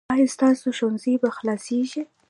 ایا ستاسو ښوونځی به خلاصیږي؟